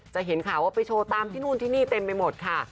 เห็นข่าวว่าไปโชว์ตามที่นู่นที่นี่เต็มไปหมดค่ะ